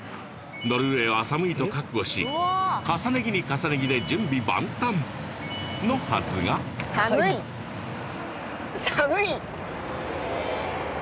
ノルウェーは寒いと覚悟し重ね着に重ね着で準備万端のはずが寒い！